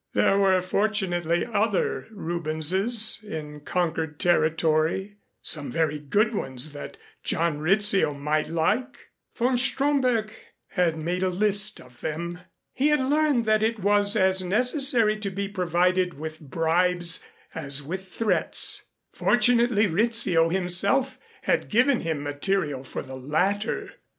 There were fortunately other Rubenses in conquered territory some very good ones that John Rizzio might like. Von Stromberg had made a list of them. He had learned that it was as necessary to be provided with bribes as with threats. Fortunately Rizzio himself had given him material for the latter.